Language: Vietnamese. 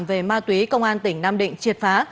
về ma túy công an tỉnh nam định triệt phá